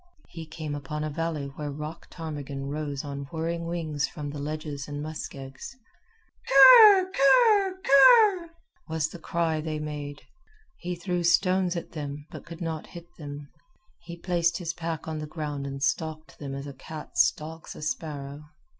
He came upon a valley where rock ptarmigan rose on whirring wings from the ledges and muskegs. Ker ker ker was the cry they made. He threw stones at them, but could not hit them. He placed his pack on the ground and stalked them as a cat stalks a sparrow.